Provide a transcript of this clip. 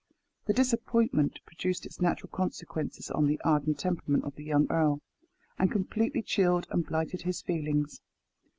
The disappointment produced its natural consequences on the ardent temperament of the young earl, and completely chilled and blighted his feelings.